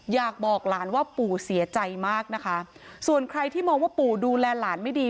อยากบอกหลานว่าปู่เสียใจมากนะคะส่วนใครที่มองว่าปู่ดูแลหลานไม่ดี